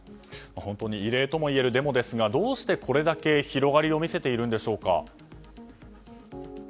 異例ともいえるデモですがどうしてこれだけ広がりを見せているんでしょうか。